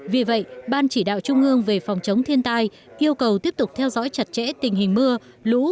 vì vậy ban chỉ đạo trung ương về phòng chống thiên tai yêu cầu tiếp tục theo dõi chặt chẽ tình hình mưa lũ